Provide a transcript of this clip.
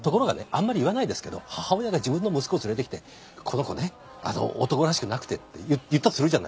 あんまり言わないですけど母親が自分の息子を連れてきて「この子ね男らしくなくて」って言ったとするじゃないですか。